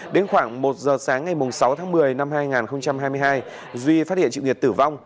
đến khoảng một giờ sáng ngày sáu tháng một mươi năm hai nghìn hai mươi hai duy phát hiện chị nhật tử vong